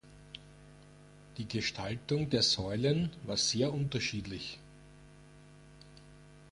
Die Gestaltung der Säulen war sehr unterschiedlich.